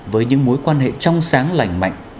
với những mối quan hệ trong sáng lành mạnh